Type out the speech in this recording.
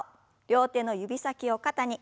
両手の指先を肩に。